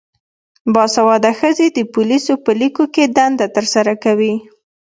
باسواده ښځې د پولیسو په لیکو کې دنده ترسره کوي.